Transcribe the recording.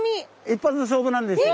一発勝負なんです。